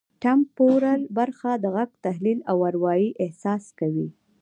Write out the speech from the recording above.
ټمپورل برخه د غږ تحلیل او اروايي احساس کوي